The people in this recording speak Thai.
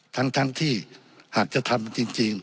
ทั้งที่อาจจะทำจริง